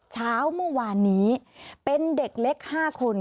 เช้าเมื่อวานนี้เป็นเด็กเล็ก๕คน